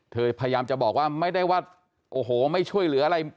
พยายามจะบอกว่าไม่ได้ว่าโอ้โหไม่ช่วยเหลืออะไร